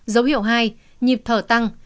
dấu hiệu hai nhịp thở tăng